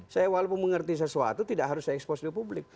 saya walaupun mengerti sesuatu tidak harus saya expose di publik